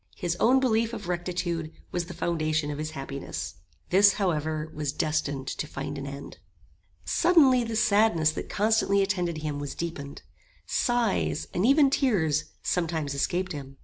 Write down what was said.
His own belief of rectitude was the foundation of his happiness. This, however, was destined to find an end. Suddenly the sadness that constantly attended him was deepened. Sighs, and even tears, sometimes escaped him.